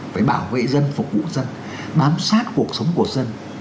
phải bảo vệ dân phục vụ dân bám sát cuộc sống của dân